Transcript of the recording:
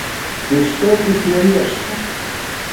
Ды што ты смяешся!